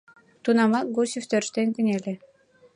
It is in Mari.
Тунамак Гусев тӧрштен кынеле.